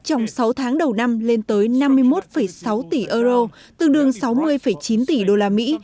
trong sáu tháng đầu năm lên tới năm mươi một sáu tỷ euro tương đương sáu mươi chín tỷ đô la mỹ